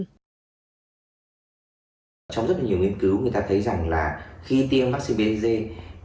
trong rất nhiều nghiên cứu người ta thấy rằng là khi tiêm vaccine bcg